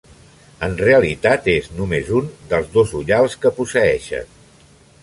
En realitat és només un dels dos ullals que posseeixen.